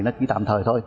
nó chỉ tạm thời thôi